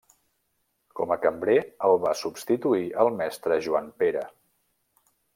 Com a Cambrer el va substituir el mestre Joan Pere.